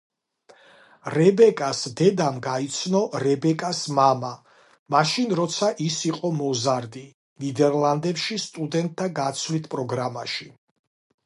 რებეკას დედამ გაიცნო რებეკას მამა, მაშინ როცა ის იყო მოზარდი, ნიდერლანდებში სტუდენტთა გაცვლით პროგრამაში.